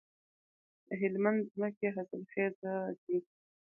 د هلمند ځمکې حاصلخیزه دي